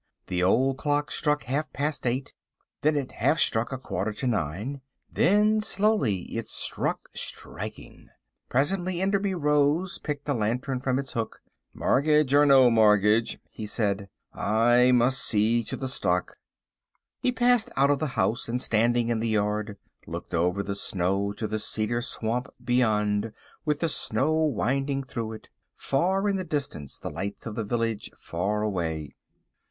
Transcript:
The old clock struck half past eight, then it half struck a quarter to nine, then slowly it struck striking. Presently Enderby rose, picked a lantern from its hook, "Mortgage or no mortgage," he said, "I must see to the stock." He passed out of the house, and standing in the yard, looked over the snow to the cedar swamp beyond with the snow winding through it, far in the distance the lights of the village far away.